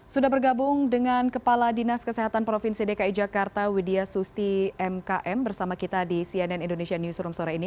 sudah bergabung dengan kepala dinas kesehatan provinsi dki jakarta widya susti mkm bersama kita di cnn indonesia newsroom sore ini